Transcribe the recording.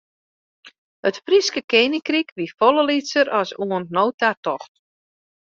It Fryske keninkryk wie folle lytser as oant no ta tocht.